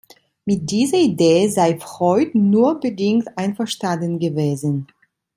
Mit dieser Idee sei Freud nur bedingt einverstanden gewesen.